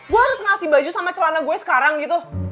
gue harus ngasih baju sama celana gue sekarang gitu